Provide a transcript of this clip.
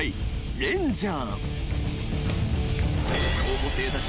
レンジャー！